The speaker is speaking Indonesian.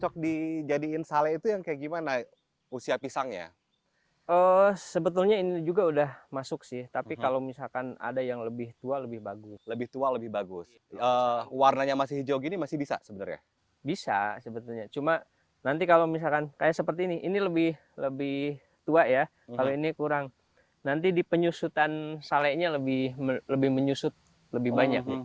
kali ini saya akan melihat bagaimana warga desa cilograng mengolahnya menjadi sale